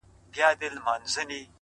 يارانو دا بې وروره خور په سړي خوله لگوي